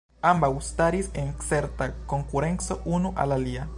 Ambaŭ staris en certa konkurenco unu al la alia.